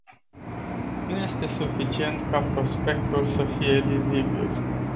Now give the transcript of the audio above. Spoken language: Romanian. Nu este suficient ca prospectul să fie lizibil.